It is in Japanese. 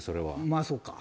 まあそうか。